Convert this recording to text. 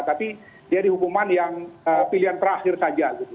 tapi dia dihukuman yang pilihan terakhir saja gitu